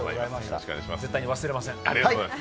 絶対に忘れません！